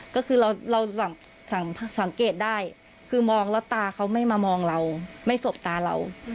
ก็คือเราสังเกตได้คือมองแล้วตาเขาไม่มามองเราไม่สบตาเรา